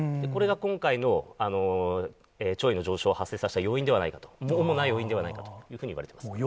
これが今回の潮位の上昇を発生させた要因ではないかと、主な要因ではないかといわれています。